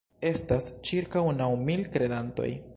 Estas ĉirkaŭ naŭ mil kredantoj.